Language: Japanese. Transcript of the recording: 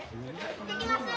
行ってきます！